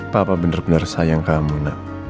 papa benar benar sayang kamu nak